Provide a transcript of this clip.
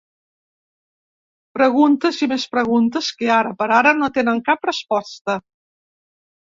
Preguntes i més preguntes que, ara per ara, no tenen cap resposta.